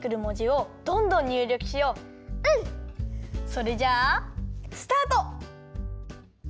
それじゃあスタート！